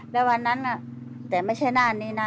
แล้ววันนั้นแต่ไม่ใช่น่านนี้นะ